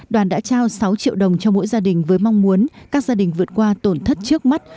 đoàn đã trao sáu triệu đồng cho mỗi gia đình với mong muốn các gia đình vượt qua tổn thất trước mắt